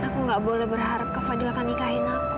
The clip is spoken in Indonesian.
aku gak boleh berharap kak fadil akan nikahin aku